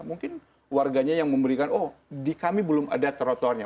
mungkin warganya yang memberikan oh di kami belum ada trotoarnya